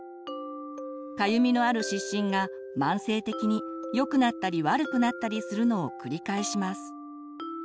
かゆみのある湿疹が慢性的によくなったり悪くなったりするのを繰り返します。